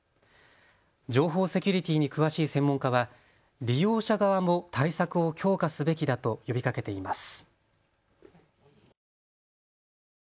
情報セキュリティーに詳しい専門家は利用者側も対策を強化すべきだと呼びかけています。